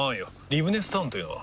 リブネスタウンというのは？